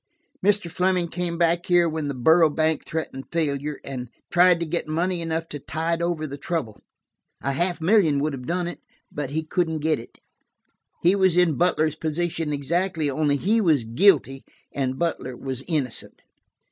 "Mr. Fleming came back here when the Borough Bank threatened failure, and tried to get money enough to tide over the trouble. A half million would have done it, but he couldn't get it. He was in Butler's position exactly, only he was guilty and Butler was innocent.